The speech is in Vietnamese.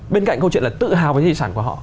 bên cạnh câu chuyện là tự hào với di sản của họ